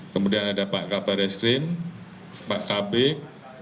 kemudian ada pak kabar eskrim pak kabik